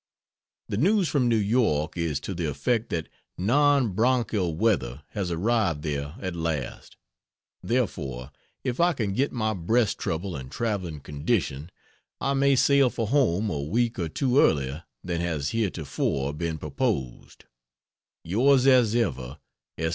The news from New York is to the effect that non bronchial weather has arrived there at last, therefore if I can get my breast trouble in traveling condition I may sail for home a week or two earlier than has heretofore been proposed: Yours as ever S.